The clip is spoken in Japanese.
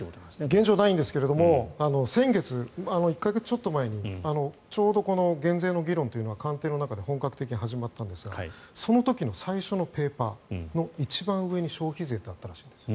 現状ないんですが先月、１か月ちょっと前にちょうどこの減税の議論というのが官邸の中で本格的に始まったんですがその時の最初のペーパーの一番上に消費税ってあったらしいんです。